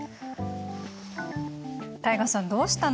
汰雅さんどうしたの？